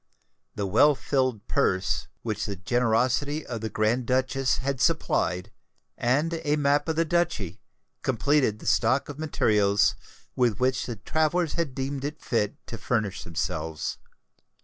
The well filled purse which the generosity of the Grand Duchess had supplied, and a map of the Duchy, completed the stock of materials with which the travellers had deemed it fit to furnish themselves.